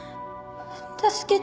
助けて